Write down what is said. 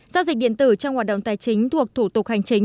giao dịch điện tử trong hoạt động tài chính thuộc thủ tục hành chính